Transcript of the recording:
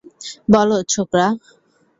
বলো, ছোকরা।